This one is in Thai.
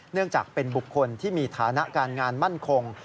เนื่องจากเป็นบุคคลที่มีฐานะการงานมั่นคง